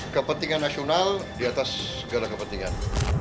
kepentingan nasional di atas segala kepentingan